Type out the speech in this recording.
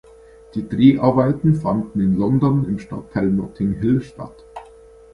Die Dreharbeiten fanden in London im Stadtteil Notting Hill statt.